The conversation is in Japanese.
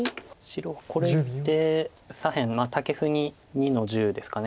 白これで左辺タケフに２の十ですか。